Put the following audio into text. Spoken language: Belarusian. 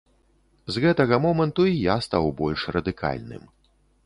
З гэтага моманту і я стаў больш радыкальным.